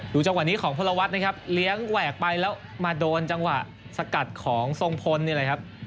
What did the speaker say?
จังหวะนี้ของพลวัฒน์นะครับเลี้ยงแหวกไปแล้วมาโดนจังหวะสกัดของทรงพลนี่แหละครับ